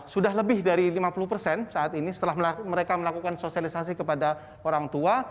sudah lebih dari lima puluh persen saat ini setelah mereka melakukan sosialisasi kepada orang tua